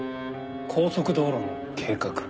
高速道路の計画？